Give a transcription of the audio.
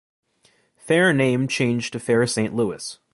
Fair name changed to Fair Saint Louis.